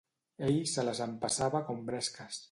Ell se les empassava com bresques